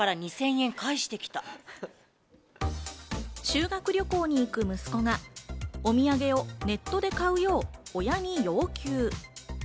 修学旅行に行く息子がお土産をネットで買うよう、親に要求。